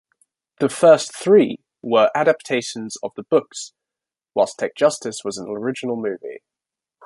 The first three were adaptations of the books, while TekJustice was an original movie.